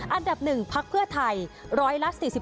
อันดับ๑พักเพื่อไทย๑๔๓๗๙